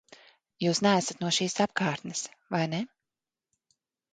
Jūs neesat no šīs apkārtnes, vai ne?